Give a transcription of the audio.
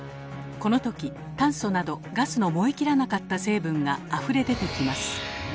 この時炭素などガスの燃えきらなかった成分があふれ出てきます。